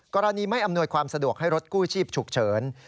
กรณีไม่อำนวยความสะดวกให้รถกู้ชีพฉุกเฉิน